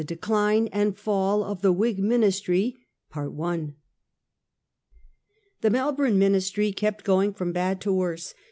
DECLINE AND FALL OF THE WHIG MINISTRY, The Melbourne Ministry kept going from bad to worse.